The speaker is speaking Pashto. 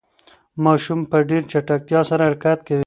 ماشوم په ډېرې چټکتیا سره حرکت کوي.